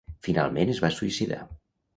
Finalment es va suïcidar.